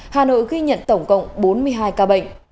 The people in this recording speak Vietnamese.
hà nội ghi nhận tổng cộng bốn mươi hai ca bệnh